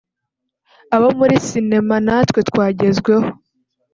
Abo muri sinema natwe twagezweho